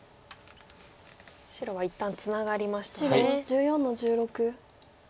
白は一旦ツナがりましたね。